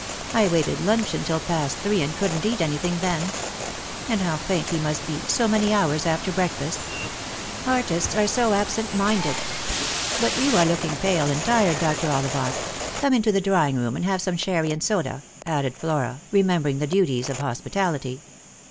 I waited luncheon till past three, and couldn't eat anything then. And how faint he must be — so many hours after breakfast ! Artists are so absent minded. But you are looking pale and tired, Dr. Ollivant; come into the drawing room and have some sherry and soda," added Flora, remembering the duties of hospitality.